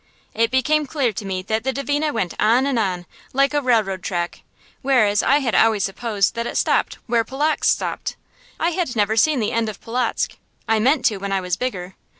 It became clear to me that the Dvina went on and on, like a railroad track, whereas I had always supposed that it stopped where Polotzk stopped. I had never seen the end of Polotzk; I meant to, when I was bigger.